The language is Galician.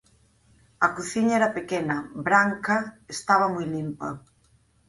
A cociña era pequena, branca, estaba moi limpa.